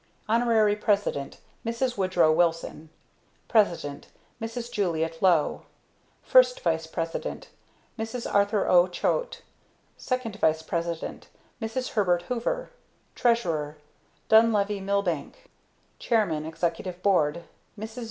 Honorary President MRS. WOODROW WILSON President MRS. JULIETTE LOW First Vice President MRS. ARTHUR O. CHOATE Second Vice President MRS. HERBERT HOOVER Treasurer DUNLEVY MILBANK Chairman, Executive Board MRS.